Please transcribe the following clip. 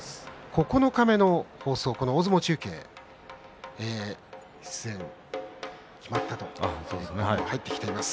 九日目の大相撲中継に出演が決まったという情報も入ってきています。